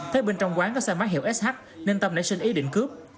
thế bên trong quán có xe máy hiệu sh nên tâm nảy sinh ý định cướp